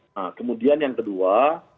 nah kemudian yang kedua